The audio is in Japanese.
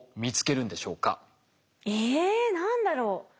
え何だろう？